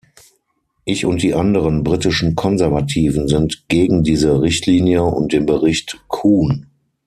Ich und die anderen britischen Konservativen sind gegen diese Richtlinie und den Bericht Kuhn.